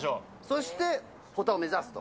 そして保田を目指すと。